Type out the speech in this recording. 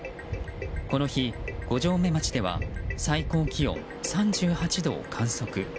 この日、五城目町では最高気温３８度を観測。